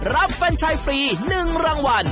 แฟนชายฟรี๑รางวัล